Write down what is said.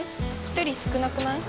一人少なくない？